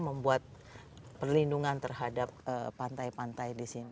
membuat perlindungan terhadap pantai pantai di sini